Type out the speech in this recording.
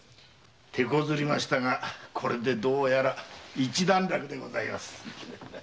手こずりましたがこれで一段落でございます。